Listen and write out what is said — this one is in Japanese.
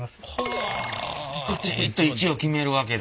カチッと位置を決めるわけだ。